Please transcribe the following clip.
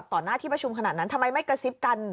หน้าที่ประชุมขนาดนั้นทำไมไม่กระซิบกัน